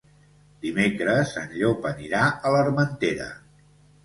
Dimecres en Llop anirà a l'Armentera.